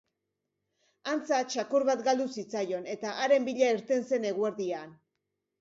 Antza, txakur bat galdu zitzaion, eta haren bila irten zen eguerdian.